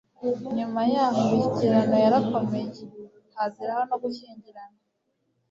Nyuma yaho imishyikirano yarakomeye, haziraho no gushyingirana.